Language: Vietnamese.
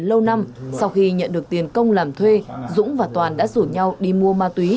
lâu năm sau khi nhận được tiền công làm thuê dũng và toàn đã rủ nhau đi mua ma túy